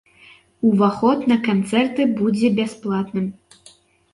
Уваход на канцэрты будзе бясплатным.